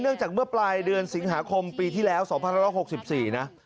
จากเมื่อปลายเดือนสิงหาคมปีที่แล้ว๒๑๖๔นะ